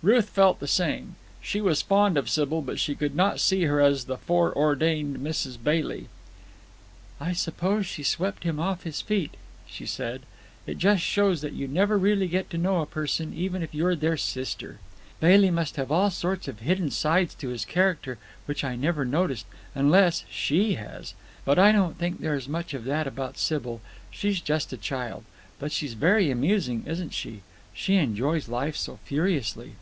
Ruth felt the same. She was fond of Sybil, but she could not see her as the fore ordained Mrs. Bailey. "I suppose she swept him off his feet," she said. "It just shows that you never really get to know a person even if you're their sister. Bailey must have all sorts of hidden sides to his character which I never noticed—unless she has. But I don't think there is much of that about Sybil. She's just a child. But she's very amusing, isn't she? She enjoys life so furiously."